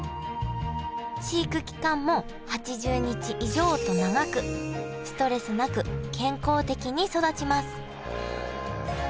飼育期間も８０日以上と長くストレスなく健康的に育ちますへえ。